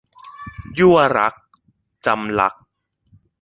ยั่วรัก - จำลักษณ์